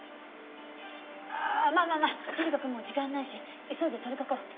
ああまあまあまあとにかくもう時間ないし急いで取りかかろう。